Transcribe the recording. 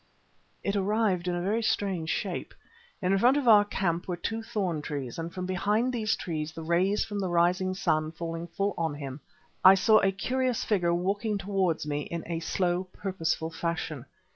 It arrived in a very strange shape. In front of our camp were two thorn trees, and from between these trees, the rays from the rising sun falling full on him, I saw a curious figure walking towards me in a slow, purposeful fashion.